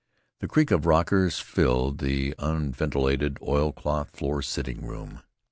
The creak of rockers filled the unventilated, oilcloth floored sitting room.